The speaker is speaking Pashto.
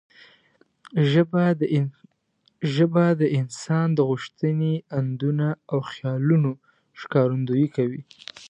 ژبه د انسان د غوښتنې، اندونه او خیالونو ښکارندويي کوي.